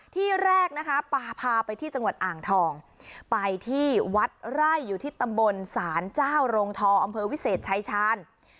ที่แรกนะคะปลาพาไปที่จังหวัดอ่างทองไปที่วัดไร่อยู่ที่ตำบลศาลเจ้าโรงทออำเภอวิเศษชายชาญ